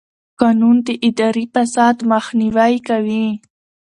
قانون د اداري فساد مخنیوی کوي.